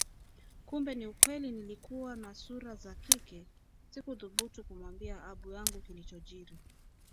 Kumbe ni kweli kuwa nilikuwa na sura ya kike! Sikuthubutu kumwambia abu yangu kilichojiri